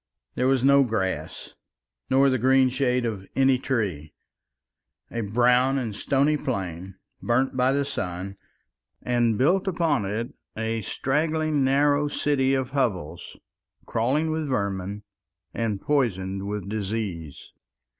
There was no grass nor the green shade of any tree. A brown and stony plain, burnt by the sun, and, built upon it a straggling narrow city of hovels crawling with vermin and poisoned with disease.